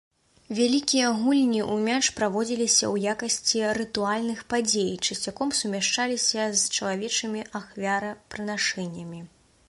Вялікія гульні ў мяч праводзіліся ў якасці рытуальных падзей, часцяком сумяшчаліся з чалавечымі ахвярапрынашэннямі.